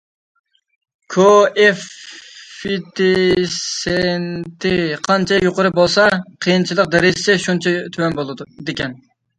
كوئېففىتسېنتى قانچە يۇقىرى بولسا، قىيىنلىق دەرىجىسى شۇنچە تۆۋەن بولىدىكەن.